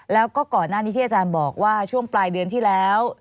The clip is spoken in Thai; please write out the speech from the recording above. แล้วก็ก่อนหน้านี้ที่อาจารย์บอกว่าช่วงปลายเดือนที่แล้ว